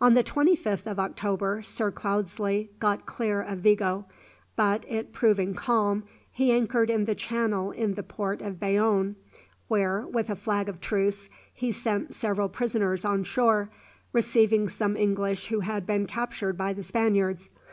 On the 25th of October Sir Cloudesley got clear of Vigo, but it proving calm, he anchored in the channel in the port of Bayonne, where, with a flag of truce, he sent several prisoners on shore, receiving some English who had been captured by the Spaniards.